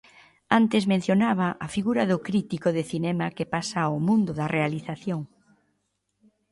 Antes mencionaba a figura do crítico de cinema que pasa ao mundo da realización.